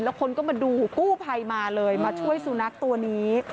แล้วคนก็มาดูกู้ภัยมาเลยมาช่วยสุนัขตัวนี้